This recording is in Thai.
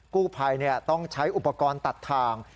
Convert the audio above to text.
กู้ภัยต้องใช้อุปกรณ์ตัดทาง